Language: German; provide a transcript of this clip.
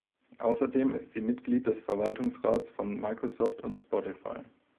Außerdem ist sie Mitglied des Verwaltungsrats von Microsoft und Spotify.